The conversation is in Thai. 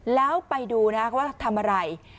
แล้วไปดูนะว่าทำอะไร